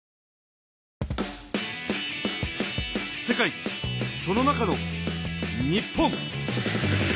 世界その中の日本。